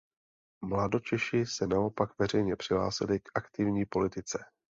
Mladočeši se naopak veřejně přihlásili k aktivní politice.